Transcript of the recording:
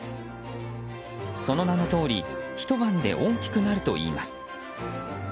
その名のとおりひと晩で大きくなるといいます。